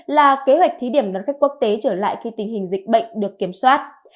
là kế hoạch thí điểm đón khách quốc tế trở lại khi tình hình dịch bệnh được kiểm soát